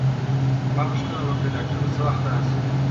ما پوښتنه وکړه: ډاکټر به څه وخت راشي؟